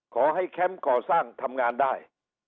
ขอให้แคมป์ขอสร้างทำงานได้